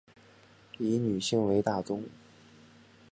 以女性为大宗